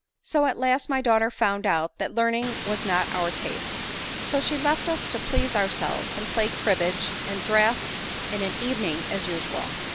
So at last my daughter found out that learn ing was not our taste ; so she left us to please ourselves, and play cribbage and draughts in an evening as usual."